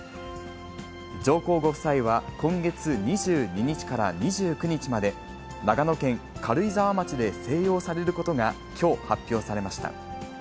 上皇ご夫妻は今月２２日から２９日まで、長野県軽井沢町で静養されることがきょう発表されました。